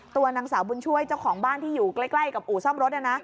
ตัวนางสาวบุญช่วยเจ้าของบ้านที่อยู่ใกล้กับอู่ซ่อมรถ